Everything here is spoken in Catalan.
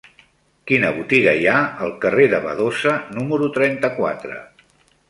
Quina botiga hi ha al carrer de Badosa número trenta-quatre?